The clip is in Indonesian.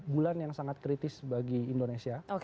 bulan yang sangat kritis bagi indonesia